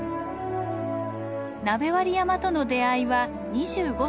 鍋割山との出会いは２５歳の時。